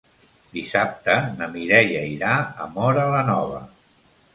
Dissabte na Mireia irà a Móra la Nova.